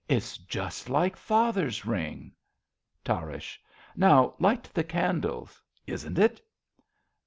It's just like father's ring ! Tarrasch. Now light the candles. Isn't it?